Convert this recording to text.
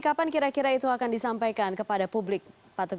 kapan kira kira itu akan disampaikan kepada publik pak teguh